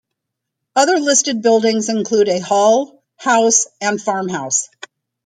Other listed buildings include a hall, house and farm house.